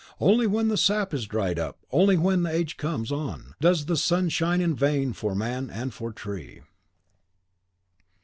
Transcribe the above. Only when the sap is dried up, only when age comes on, does the sun shine in vain for man and for the tree.